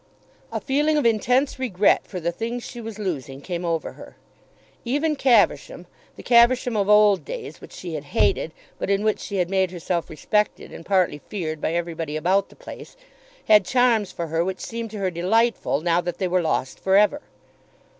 A feeling of intense regret for the things she was losing came over her. Even Caversham, the Caversham of old days which she had hated, but in which she had made herself respected and partly feared by everybody about the place, had charms for her which seemed to her delightful now that they were lost for ever.